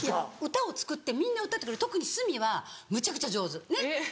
歌を作ってみんな歌ってくれる特にすみはむちゃくちゃ上手ねっ。